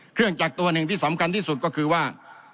จักรตัวหนึ่งที่สำคัญที่สุดก็คือว่า